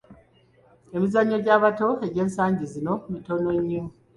Emizannyo gy'abato egy'ensangi zino mitono nnyo.